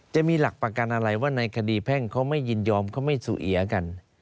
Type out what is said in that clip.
จะมีหลักประกันอะไรว่าในคดีแพ่งเขาไม่ยินยอมเขาไม่สูเอียกัน